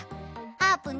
あーぷん！